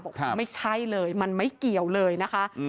ไม่ใช่เลยมันไม่เกี่ยวเลยนะคะ